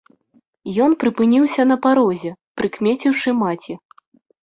Ён прыпыніўся на парозе, прыкмеціўшы маці.